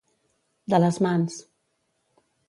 De les mans.